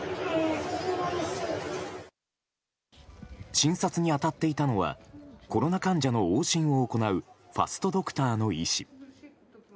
診察に当たっていたのはコロナ患者の往診を行うファストドクターの医師。